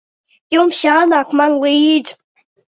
Jums jānāk man līdzi.